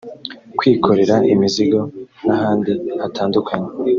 kwikorera imizigo n’ahandi hatandukanye